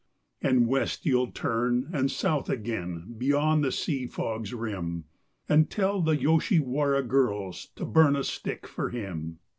And west you'll turn and south again, beyond the sea fog's rim, And tell the Yoshiwara girls to burn a stick for him.